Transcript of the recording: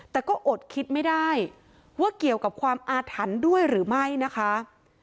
แต่ก็อดคิดไม่ได้ว่าเกี่ยวกับความอาถรรพ์ด้วยหรือไม่นะคะ